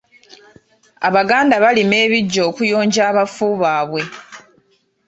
Abaganda balima ebiggya okuyonja abafu baabwe.